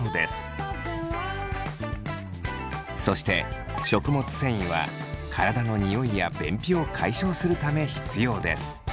そして食物繊維は体の臭いや便秘を解消するため必要です。